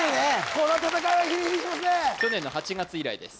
この戦いはヒリヒリしますね去年の８月以来です